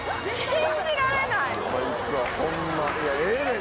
信じられない！